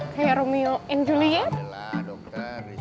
kayak romeo and juliet